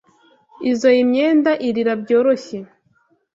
Izoi myenda irira byoroshye.